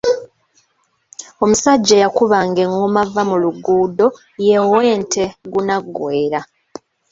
Omusajja eyakubanga engoma Vvamuluguudo ye ow’ente Gunaggweera.